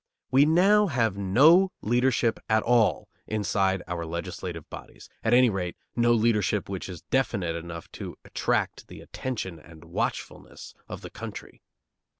We now have no leadership at all inside our legislative bodies, at any rate, no leadership which is definite enough to attract the attention and watchfulness of the country.